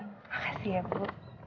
makasih ya bu